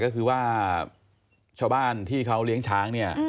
ที่จะให้ชาวบ้านที่เขาเลี้ยงช้าง